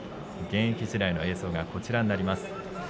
現役時代の映像がこちらになります。